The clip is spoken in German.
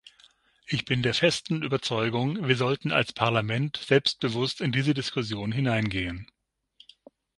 Ich bin der festen Überzeugung, wir sollten als Parlament selbstbewusst in diese Diskussion hineingehen.